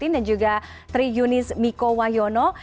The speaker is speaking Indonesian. dan juga tri yunis miko wahyono